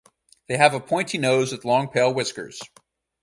They have a pointy nose with long pale whiskers.